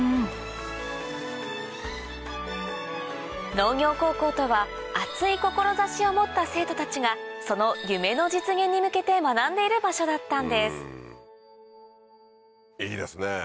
農業高校とは熱い志を持った生徒たちがその夢の実現に向けて学んでいる場所だったんですいいですね